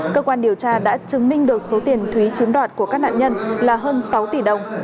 cơ quan điều tra đã chứng minh được số tiền thúy chiếm đoạt của các nạn nhân là hơn sáu tỷ đồng